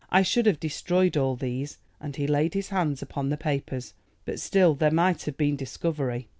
I should have destroyed all these," and he laid his hands upon the papers, "but still there might have been discovery."